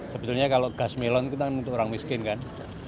sebetulnya kalau gas melon kita untuk orang miskin kan